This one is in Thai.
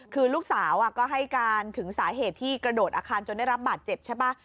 คือลูกสาวก็ให้การถึงสาเหตุที่กระโดดอาคารจนได้รับบาดเจ็บใช่ป่ะ